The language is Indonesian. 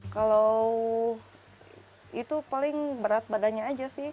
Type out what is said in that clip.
kalau itu paling berat badannya aja sih